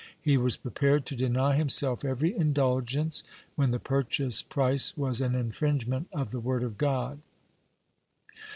He was prepared to deny himself every indulgence, when the purchase price was an infringement of the word of God.